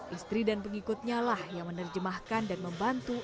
istri dan pengikutnya lah yang menerjemahkan dan membantu